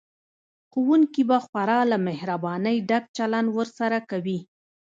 ښوونکي به خورا له مهربانۍ ډک چلند ورسره کوي